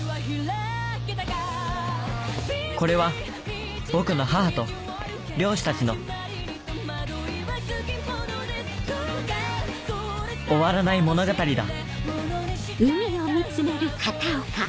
これは僕の母と漁師たちの終わらない物語だ